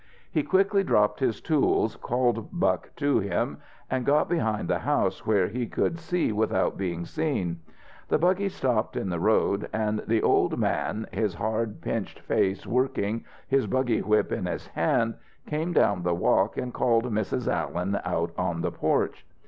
He quickly dropped his tools, called Buck to him and got behind the house where he could see without being seen. The buggy stopped in the road, and the old man, his hard, pinched face working, his buggy whip in his hand, came down the walk and called Mrs. Alien out on the porch.